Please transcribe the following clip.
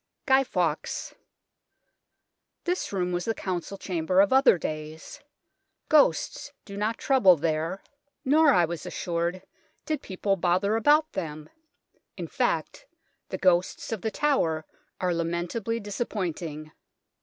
GUY FAWKES This room was the Council Chamber of other days. Ghosts do not trouble there, nor, n8 THE TOWER OF LONDON I was assured, did people bother about them in fact, the ghosts of The Tower are lament ably disappointing.